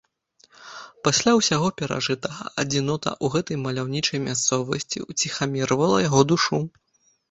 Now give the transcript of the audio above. Пасля ўсяго перажытага адзінота ў гэтай маляўнічай мясцовасці ўціхамірвала яго душу.